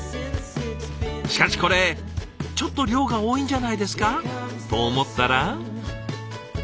しかしこれちょっと量が多いんじゃないですかと思ったら。